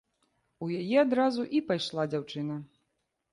У яе адразу і пайшла дзяўчына.